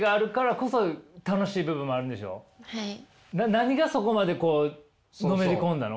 何がそこまでのめり込んだの？